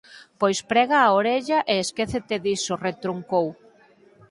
Pois prega a orella, e esquécete diso –retrucou.